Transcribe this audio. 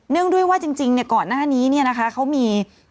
เนื่องด้วยว่าจริงก่อนหน้านี้เขามี